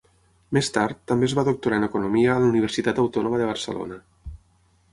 Més tard, també es va doctorar en economia a la Universitat Autònoma de Barcelona.